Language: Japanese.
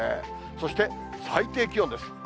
そして最低気温です。